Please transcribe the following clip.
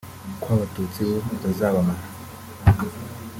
ko abatutsi bo bazabamara